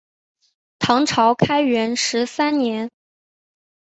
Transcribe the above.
唐朝开元十三年。